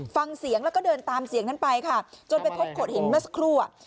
ฟังเสียงแล้วก็เดินตามเสียงนั้นไปค่ะจนไปพบโขดหินเมื่อสักครู่